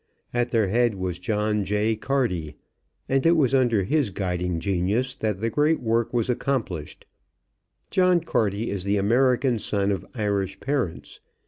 At their head was John J. Carty, and it was under his guiding genius that the great work was accomplished. John Carty is the American son of Irish parents.